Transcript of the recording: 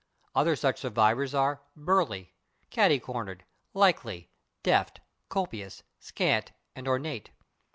Other such survivors are /burly/, /catty cornered/, /likely/, /deft/, /copious/, /scant/ and /ornate